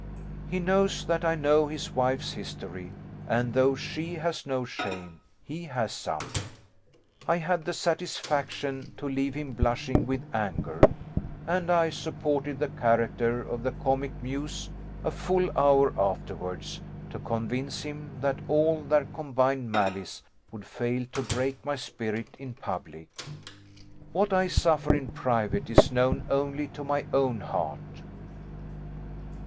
He knows that I know his wife's history, and though she has no shame, he has some. I had the satisfaction to leave him blushing with anger, and I supported the character of the comic muse a full hour afterwards, to convince him that all their combined malice would fail to break my spirit in public: what I suffer in private is known only to my own heart."